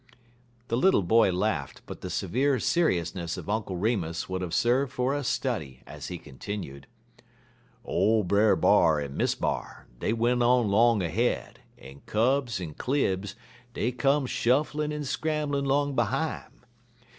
The little boy laughed, but the severe seriousness of Uncle Remus would have served for a study, as he continued: "Ole Brer B'ar en Miss B'ar, dey went 'long ahead, en Kubs en Klibs, dey come shufflin' en scramblin' 'long behime.